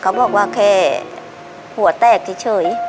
เขาบอกว่าแค่หัวแตกเฉย